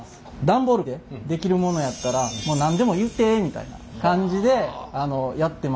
段ボールで出来るものやったらもう何でも言うてえみたいな感じでやってます。